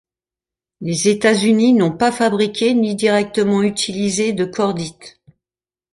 Les États-Unis n'ont pas fabriqué ni directement utilisé de cordite.